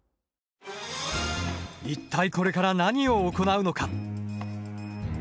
一体これから何を行うのか？